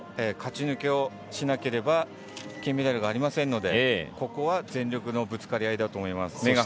勝ち抜けをしなければ金メダルがありませんのでここは全力のぶつかり合いだと思います。